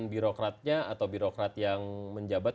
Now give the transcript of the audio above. birokratnya atau birokrat yang menjabat